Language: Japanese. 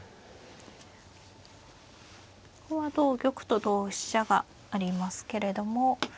ここは同玉と同飛車がありますけれども。